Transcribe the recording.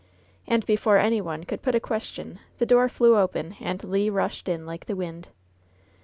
And before any one could put a question the door flew open and Le rushed in like the wind.